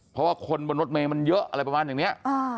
เพราะว่าคนบนรถเมย์มันเยอะอะไรประมาณอย่างนี้